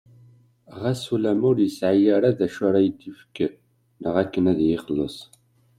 Ɣas ulamma ur yesɛwi ara d acu ara d-yefk neɣ akken ad iyi-ixelles.